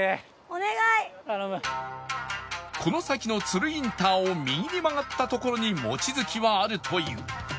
この先の都留インターを右に曲がった所にモチヅキはあるという